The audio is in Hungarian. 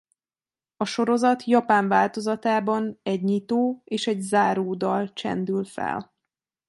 A sorozat japán változatában egy nyitó- és egy záródal csendül fel.